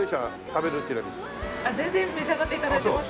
全然召し上がって頂いてます。